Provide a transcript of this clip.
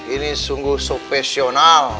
ini sungguh subpesional